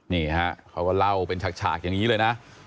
นี่ฮะเขาก็เล่าเป็นฉากอย่างนี้เลยนะ